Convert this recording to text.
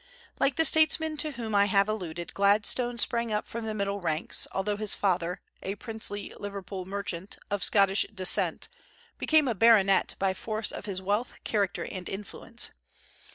Like the statesmen to whom I have alluded, Gladstone sprang from the middle ranks, although his father, a princely Liverpool merchant, of Scotch descent, became a baronet by force of his wealth, character, and influence.